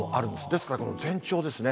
ですからこの前兆ですね。